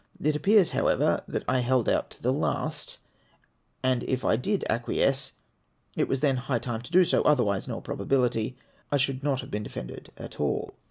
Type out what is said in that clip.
It appears, how ever, that I held out to the last : and if I did acquiesce, it was then high time to do so, otherwise, in all probability, I shoidd not have be(}n de fended at all.